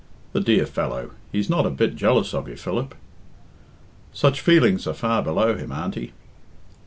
"The dear fellow! He's not a bit jealous of you, Philip." "Such feelings are far below him, Auntie."